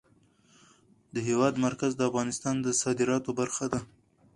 د هېواد مرکز د افغانستان د صادراتو برخه ده.